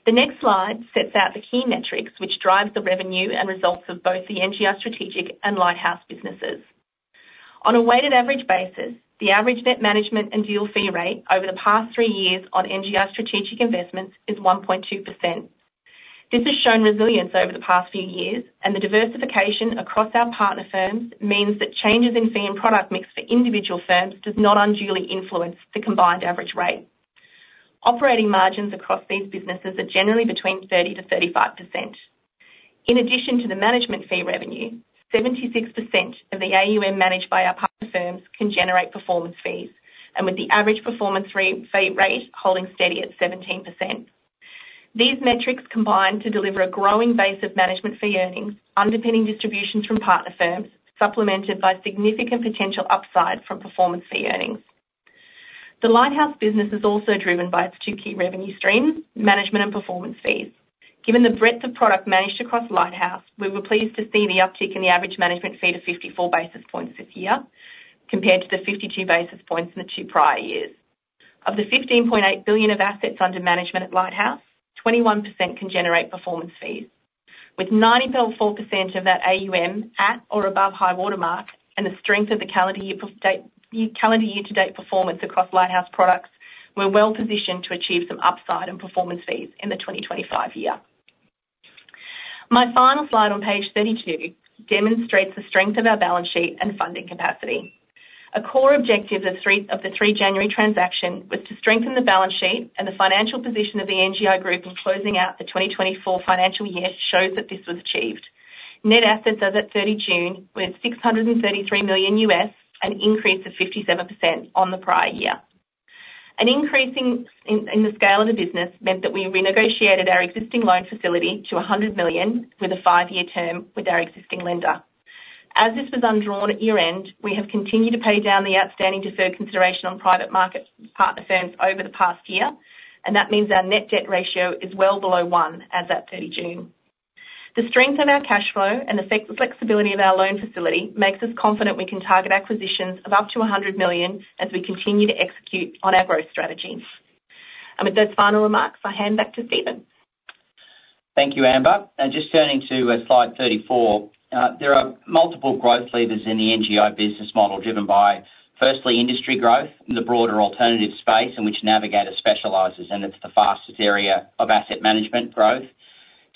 The next slide sets out the key metrics, which drives the revenue and results of both the NGI Strategic and Lighthouse businesses. On a weighted average basis, the average net management and deal fee rate over the past three years on NGI Strategic investments is 1.2%. This has shown resilience over the past few years, and the diversification across our partner firms means that changes in fee and product mix for individual firms does not unduly influence the combined average rate. Operating margins across these businesses are generally between 30%-35%. In addition to the management fee revenue, 76% of the AUM managed by our partner firms can generate performance fees, and with the average performance fee rate holding steady at 17%. These metrics combine to deliver a growing base of management fee earnings, underpinning distributions from partner firms, supplemented by significant potential upside from performance fee earnings. The Lighthouse business is also driven by its two key revenue streams: management and performance fees. Given the breadth of product managed across Lighthouse, we were pleased to see the uptick in the average management fee to 54 basis points this year, compared to the 52 basis points in the two prior years. Of the $15.8 billion of assets under management at Lighthouse, 21% can generate performance fees. With 94% of that AUM at or above high watermark and the strength of the calendar year-to-date performance across Lighthouse products, we're well-positioned to achieve some upside in performance fees in the 2025 year. My final slide on page 32 demonstrates the strength of our balance sheet and funding capacity. A core objective of the January transaction was to strengthen the balance sheet, and the financial position of the NGI group in closing out the 2024 financial year shows that this was achieved. Net assets as at 30 June were at $633 million, an increase of 57% on the prior year. An increase in the scale of the business meant that we renegotiated our existing loan facility to 100 million, with a 5-year term with our existing lender. As this was undrawn at year-end, we have continued to pay down the outstanding deferred consideration on private market partner firms over the past year, and that means our net debt ratio is well below 1 as at 30 June. The strength in our cash flow and the flexibility of our loan facility makes us confident we can target acquisitions of up to 100 million as we continue to execute on our growth strategy, and with those final remarks, I hand back to Stephen. Thank you, Amber. And just turning to, slide 34. There are multiple growth levers in the NGI business model, driven by, firstly, industry growth in the broader alternative space in which Navigator specializes, and it's the fastest area of asset management growth.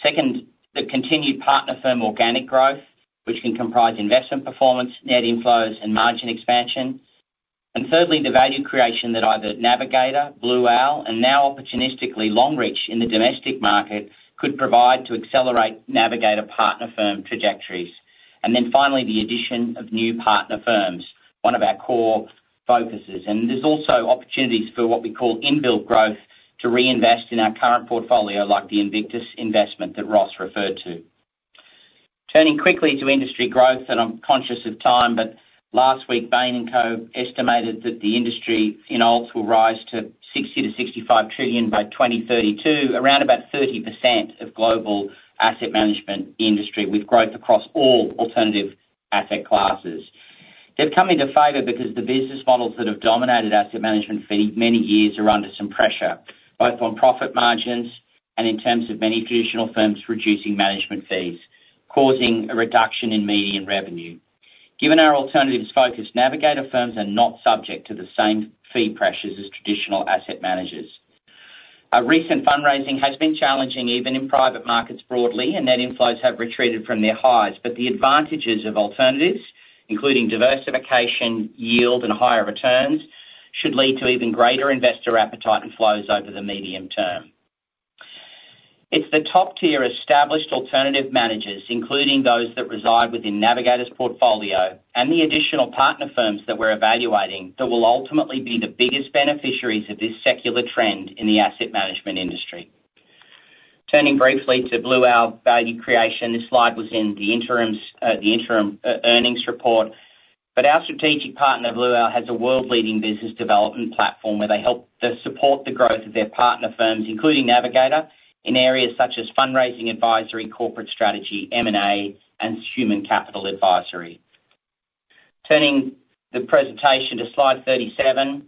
Second, the continued partner firm organic growth, which can comprise investment performance, net inflows, and margin expansion. And thirdly, the value creation that either Navigator, Blue Owl, and now opportunistically Longreach in the domestic market, could provide to accelerate Navigator partner firm trajectories. And then finally, the addition of new partner firms, one of our core focuses. And there's also opportunities for what we call inbuilt growth to reinvest in our current portfolio, like the Invictus investment that Ross referred to. Turning quickly to industry growth, and I'm conscious of time, but last week, Bain & Co. Estimated that the industry in alts will rise to 60-65 trillion by 2032, around about 30% of global asset management industry, with growth across all alternative asset classes. They've come into favor because the business models that have dominated asset management for many years are under some pressure, both on profit margins and in terms of many traditional firms reducing management fees, causing a reduction in median revenue. Given our alternatives focus, Navigator firms are not subject to the same fee pressures as traditional asset managers. A recent fundraising has been challenging, even in private markets broadly, and net inflows have retreated from their highs. But the advantages of alternatives, including diversification, yield, and higher returns, should lead to even greater investor appetite and flows over the medium term. It's the top-tier established alternative managers, including those that reside within Navigator's portfolio and the additional partner firms that we're evaluating, that will ultimately be the biggest beneficiaries of this secular trend in the asset management industry. Turning briefly to Blue Owl value creation. This slide was in the interim earnings report, but our strategic partner, Blue Owl, has a world-leading business development platform where they help to support the growth of their partner firms, including Navigator, in areas such as fundraising, advisory, corporate strategy, M&A, and human capital advisory. Turning the presentation to slide 37,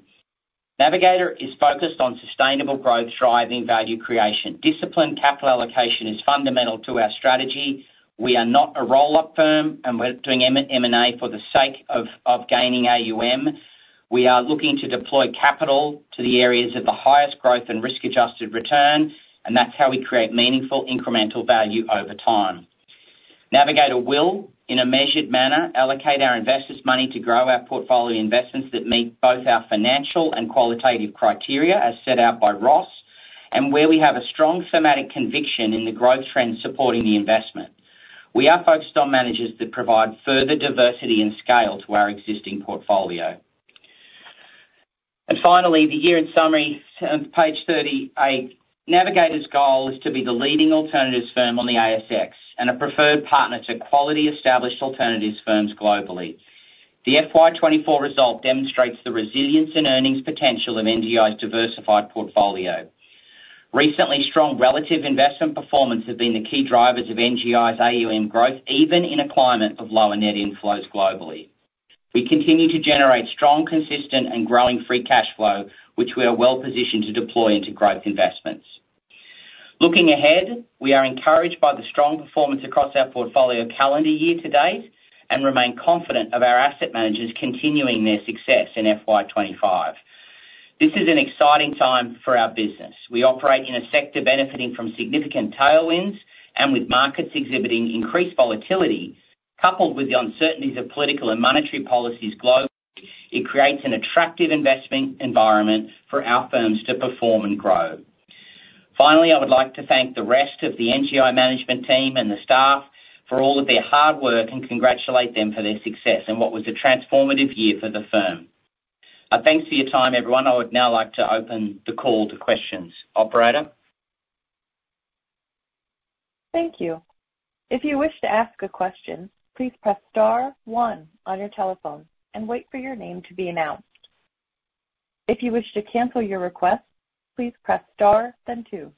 Navigator is focused on sustainable growth, driving value creation. Disciplined capital allocation is fundamental to our strategy. We are not a roll-up firm, and we're doing M&A for the sake of gaining AUM. We are looking to deploy capital to the areas of the highest growth and risk-adjusted return, and that's how we create meaningful incremental value over time. Navigator will, in a measured manner, allocate our investors' money to grow our portfolio investments that meet both our financial and qualitative criteria, as set out by Ross, and where we have a strong thematic conviction in the growth trend supporting the investment. We are focused on managers that provide further diversity and scale to our existing portfolio. Finally, the year in summary, page 38. Navigator's goal is to be the leading alternatives firm on the ASX and a preferred partner to quality established alternatives firms globally. The FY 2024 result demonstrates the resilience and earnings potential of NGI's diversified portfolio. Recently, strong relative investment performance have been the key drivers of NGI's AUM growth, even in a climate of lower net inflows globally. We continue to generate strong, consistent and growing free cash flow, which we are well-positioned to deploy into growth investments. Looking ahead, we are encouraged by the strong performance across our portfolio calendar year-to-date, and remain confident of our asset managers continuing their success in FY 2025. This is an exciting time for our business. We operate in a sector benefiting from significant tailwinds, and with markets exhibiting increased volatility, coupled with the uncertainties of political and monetary policies globally, it creates an attractive investment environment for our firms to perform and grow. Finally, I would like to thank the rest of the NGI management team and the staff for all of their hard work, and congratulate them for their success in what was a transformative year for the firm. Thanks for your time, everyone. I would now like to open the call to questions. Operator? Thank you. If you wish to ask a question, please press star one on your telephone and wait for your name to be announced. If you wish to cancel your request, please press star, then two.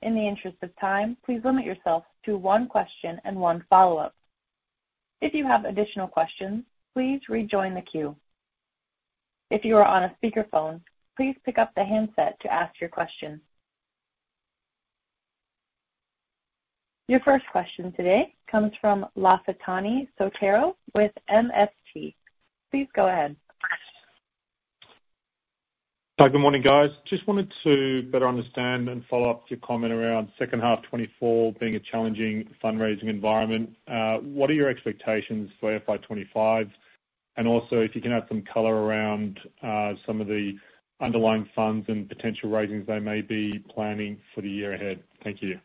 In the interest of time, please limit yourself to one question and one follow-up. If you have additional questions, please rejoin the queue. ... If you are on a speakerphone, please pick up the handset to ask your questions. Your first question today comes from Lafitani Sotiriou with MST Financial. Please go ahead. Hi, good morning, guys. Just wanted to better understand and follow up to your comment around second half 2024 being a challenging fundraising environment. What are your expectations for FY 2025? And also, if you can add some color around some of the underlying funds and potential raisings they may be planning for the year ahead. Thank you.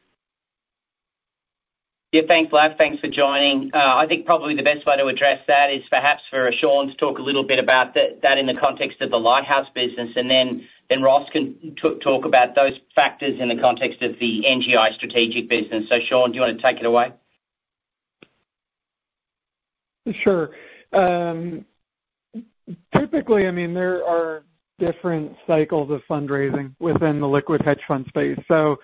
Yeah, thanks, Laf. Thanks for joining. I think probably the best way to address that is perhaps for Sean to talk a little bit about that in the context of the Lighthouse business, and then Ross can talk about those factors in the context of the NGI strategic business. So Sean, do you want to take it away? Sure. Typically, I mean, there are different cycles of fundraising within the liquid hedge fund space, so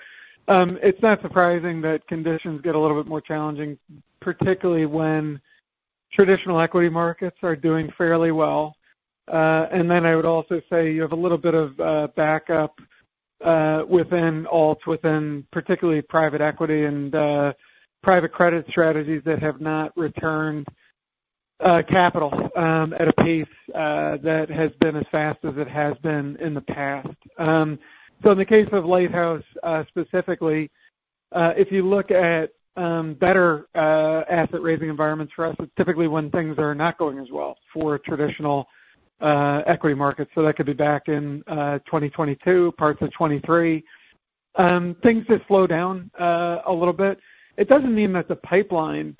it's not surprising that conditions get a little bit more challenging, particularly when traditional equity markets are doing fairly well, and then I would also say you have a little bit of backup within alts, within particularly private equity and private credit strategies that have not returned capital at a pace that has been as fast as it has been in the past, so in the case of Lighthouse, specifically, if you look at better asset raising environments, for us, it's typically when things are not going as well for traditional equity markets, so that could be back in 2022, parts of 2023. Things just slow down a little bit. It doesn't mean that the pipeline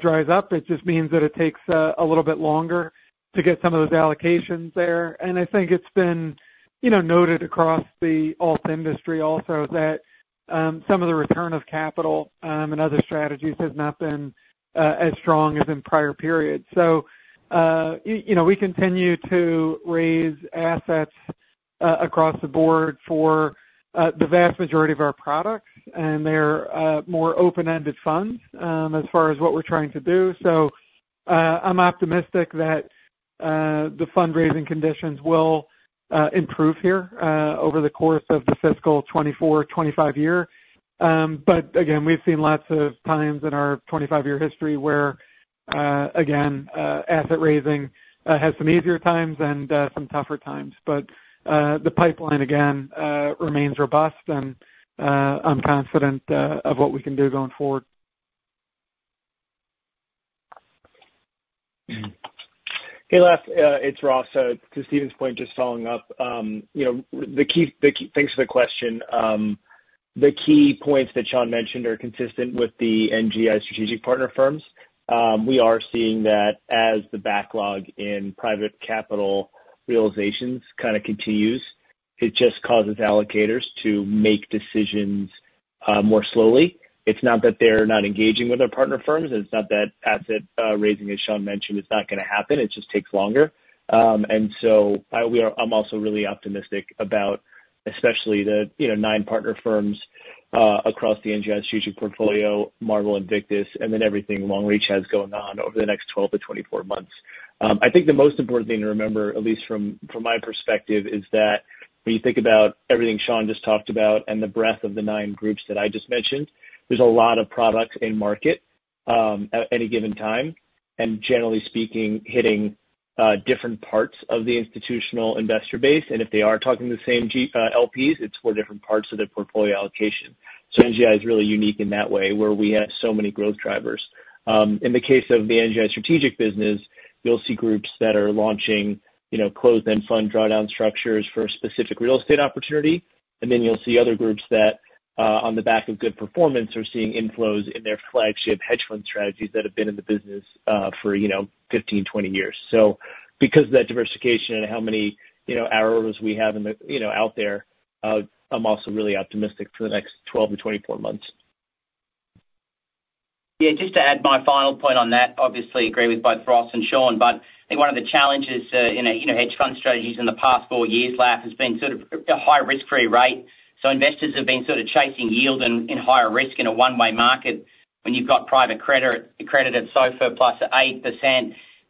dries up. It just means that it takes a little bit longer to get some of those allocations there. And I think it's been, you know, noted across the alt industry also, that some of the return of capital and other strategies has not been as strong as in prior periods. So, you know, we continue to raise assets across the board for the vast majority of our products, and they're more open-ended funds as far as what we're trying to do. So, I'm optimistic that the fundraising conditions will improve here over the course of the fiscal 2024, 2025 year. But again, we've seen lots of times in our 2025 year history where again asset raising has some easier times and some tougher times. But, the pipeline, again, remains robust, and, I'm confident, of what we can do going forward. Hey, Laf, it's Ross. To Stephen's point, just following up, you know, the key, thanks for the question. The key points that Sean mentioned are consistent with the NGI strategic partner firms. We are seeing that as the backlog in private capital realizations kind of continues, it just causes allocators to make decisions more slowly. It's not that they're not engaging with our partner firms, and it's not that asset raising, as Sean mentioned, is not gonna happen. It just takes longer, and so, I'm also really optimistic about especially the, you know, nine partner firms across the NGI strategic portfolio, Marble and Invictus, and then everything Longreach has going on over the next 12-24 months. I think the most important thing to remember, at least from my perspective, is that when you think about everything Sean just talked about and the breadth of the nine groups that I just mentioned, there's a lot of products in market at any given time, and generally speaking, hitting different parts of the institutional investor base, and if they are talking to the same GPs, LPs, it's for different parts of their portfolio allocation, so NGI is really unique in that way, where we have so many growth drivers. In the case of the NGI strategic business, you'll see groups that are launching, you know, closed-end fund drawdown structures for a specific real estate opportunity. And then you'll see other groups that, on the back of good performance, are seeing inflows in their flagship hedge fund strategies that have been in the business, for, you know, 15, 20 years. So because of that diversification and how many, you know, arrows we have in the, you know, out there, I'm also really optimistic for the next 12 to 24 months. Yeah, just to add my final point on that, obviously agree with both Ross and Sean, but I think one of the challenges in a, you know, hedge fund strategies in the past four years, Laf, has been sort of a high risk-free rate. So investors have been sort of chasing yield and higher risk in a one-way market. When you've got private credit, accredited SOFR plus 8%,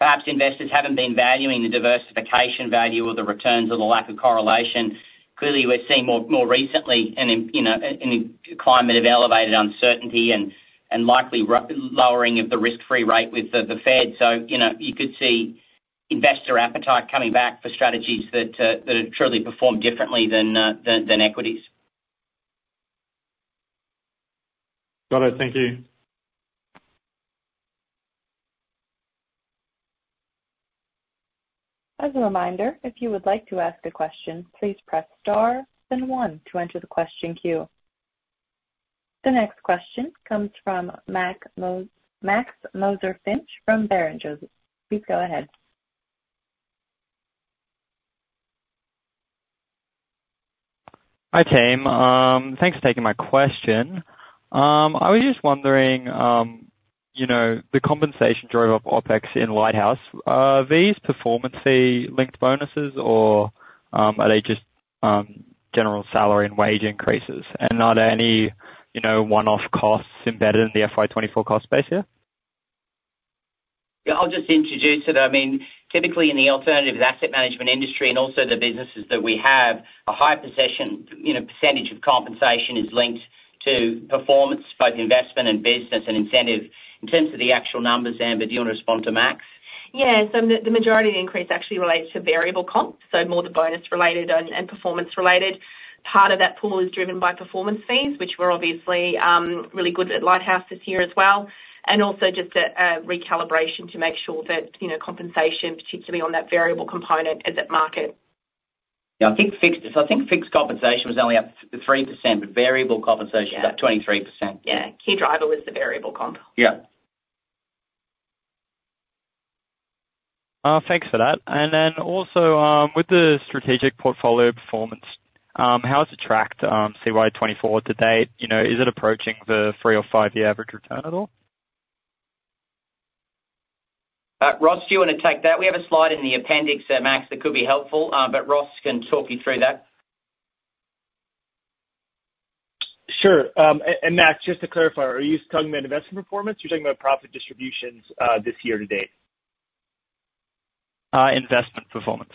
perhaps investors haven't been valuing the diversification value or the returns or the lack of correlation. Clearly, we're seeing more recently and in, you know, in a climate of elevated uncertainty and likely lowering of the risk-free rate with the Fed. So, you know, you could see investor appetite coming back for strategies that have truly performed differently than equities. Got it. Thank you. As a reminder, if you would like to ask a question, please press star then One to enter the question queue. The next question comes from Max Moser-Finch from Barrenjoey. Please go ahead. Hi, team. Thanks for taking my question. I was just wondering, you know, the compensation drove up OpEx in Lighthouse. Are these performance-linked bonuses or, are they just, general salary and wage increases? And are there any, you know, one-off costs embedded in the FY 2024 cost base here?... Yeah, I'll just introduce it. I mean, typically in the alternative asset management industry and also the businesses that we have, a high proportion, you know, percentage of compensation is linked to performance, both investment and business and incentive. In terms of the actual numbers, Amber, do you want to respond to Max? Yeah. So the majority of the increase actually relates to variable comp, so more the bonus related and performance related. Part of that pool is driven by performance fees, which were obviously really good at Lighthouse this year as well, and also just a recalibration to make sure that, you know, compensation, particularly on that variable component, is at market. Yeah, I think fixed compensation was only up 3%, but variable compensation- Yeah. is up 23%. Yeah. Key driver was the variable comp. Yeah. Thanks for that. And then also, with the strategic portfolio performance, how has it tracked, CY 2024 to date? You know, is it approaching the three or five-year average return at all? Ross, do you want to take that? We have a slide in the appendix, Max, that could be helpful, but Ross can talk you through that. Sure. And Max, just to clarify, are you talking about investment performance, or you're talking about profit distributions, this year to date? Investment performance.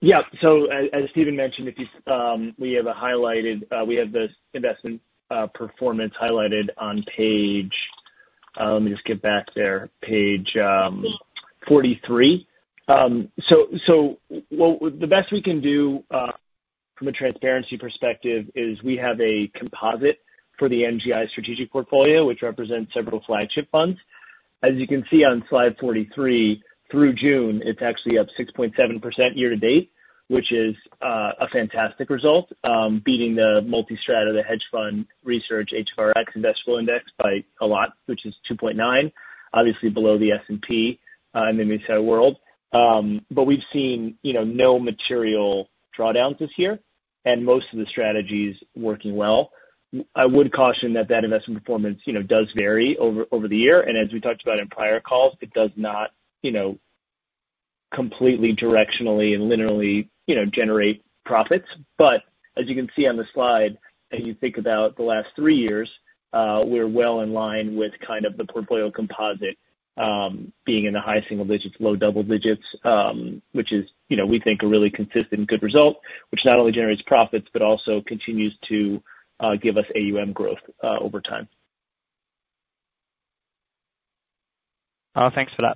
Yeah. So as Stephen mentioned, we have a highlighted. We have the investment performance highlighted on page 43. So the best we can do from a transparency perspective is we have a composite for the NGI strategic portfolio, which represents several flagship funds. As you can see on slide 43, through June, it's actually up 6.7% year-to-date, which is a fantastic result, beating the multi-strategy, the Hedge Fund Research HFRX Index by a lot, which is 2.9. Obviously below the S&P in the NGI world. But we've seen, you know, no material drawdowns this year and most of the strategies working well. I would caution that investment performance, you know, does vary over the year, and as we talked about in prior calls, it does not, you know, completely directionally and linearly, you know, generate profits. But as you can see on the slide, as you think about the last three years, we're well in line with kind of the portfolio composite, being in the high single digits, low double digits, which is, you know, we think a really consistent good result, which not only generates profits, but also continues to give us AUM growth over time. Thanks for that.